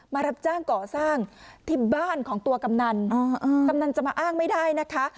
มารับจ้างก่อสร้างที่บ้านของตัวกำนันกำนันจะมาอ้างไม่ได้นะคะ